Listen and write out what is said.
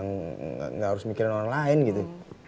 nggak harus mikirin orang lain gitu